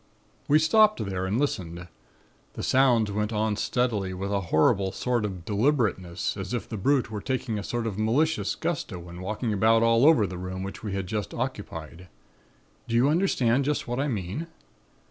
"We stopped there and listened. The sounds went on steadily with a horrible sort of deliberateness, as if the brute were taking a sort of malicious gusto in walking about all over the room which we had just occupied. Do you understand just what I mean?